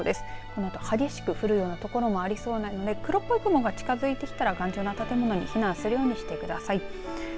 このあと激しく降るような所もありそうなので黒っぽい雲が近づいてきたら頑丈な建物に避難するようにしてください。